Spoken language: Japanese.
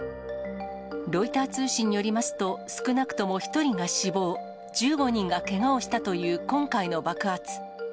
ロイター通信によりますと、少なくとも１人が死亡、１５人がけがをしたという今回の爆発。